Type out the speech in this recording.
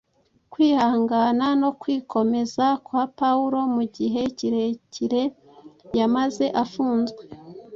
Kwihangana no kwikomeza kwa Pawulo mu gihe kirekire yamaze afunzwe